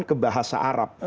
ke bahasa arab